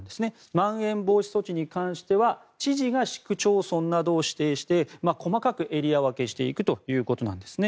まん延防止措置に関しては知事が市区町村などを指定して細かくエリア分けしていくということなんですね。